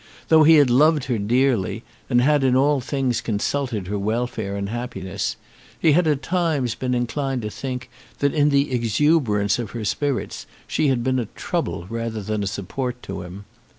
Though he had loved her dearly, and had in all things consulted her welfare and happiness, he had at times been inclined to think that in the exuberance of her spirits she had been a trouble rather than a support to him.